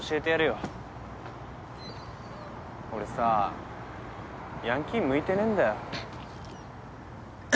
俺さヤンキー向いてねえんだよ。